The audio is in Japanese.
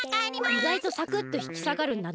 いがいとサクッとひきさがるんだな。